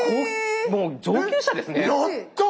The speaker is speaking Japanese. もう上級者ですね。